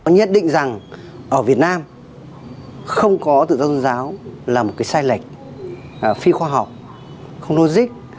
nhất định rằng ở việt nam không có tự do tôn giáo là một cái sai lệch phi khoa học không logic